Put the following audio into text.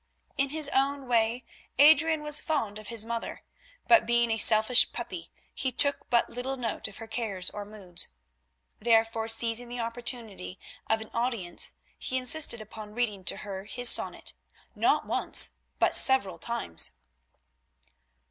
In his own way Adrian was fond of his mother, but being a selfish puppy he took but little note of her cares or moods. Therefore, seizing the opportunity of an audience he insisted upon reading to her his sonnet, not once but several times.